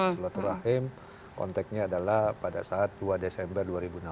silaturahim konteknya adalah pada saat dua desember dua ribu enam belas